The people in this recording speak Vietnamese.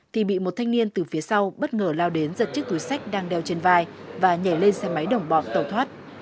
thì bị một thanh niên từ phía sau bất ngờ lao đến giật chiếc túi sách đang đeo trên vai và nhảy lên xe máy đổng bọc tàu thoát